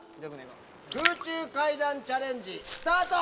空中階段チャレンジスタート！